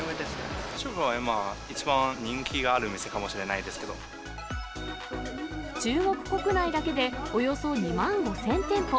中国では一番人気がある店か中国国内だけでおよそ２万５０００店舗。